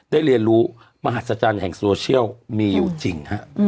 เรียนรู้มหัศจรรย์แห่งโซเชียลมีอยู่จริงฮะ